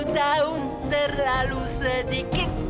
dua puluh tahun terlalu sedikit